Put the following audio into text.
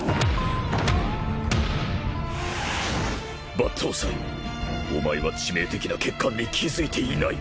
抜刀斎お前は致命的な欠陥に気付いていない